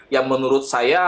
yang menurut saya